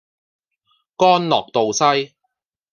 干諾道西